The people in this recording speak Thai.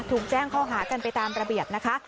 ถูกแจ้งข้อหากันไปตามระเบียบนะคะ